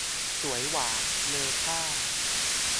สวยหวาน เลอค่า